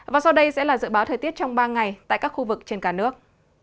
và sau đây sẽ là dự báo thời tiết trong ba ngày tại các khu vực trên cả nước